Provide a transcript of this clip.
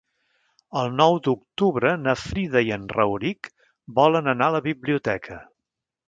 El nou d'octubre na Frida i en Rauric volen anar a la biblioteca.